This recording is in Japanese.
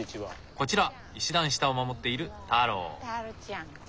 こちら石段下を守っているタロー。